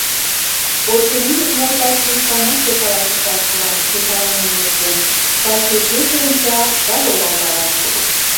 — Очыни, мый таче иканаште каласышаш улам шке палымем нерген: таче кече онча да волгалтара.